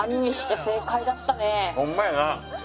ホンマやな。